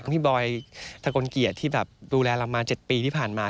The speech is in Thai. พี่บอยทะกลเกียรติที่แบบดูแลเรามา๗ปีที่ผ่านมา